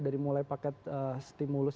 dari mulai paket stimulus